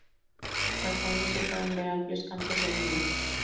Al fondo se pueden ver amplios campos de heno.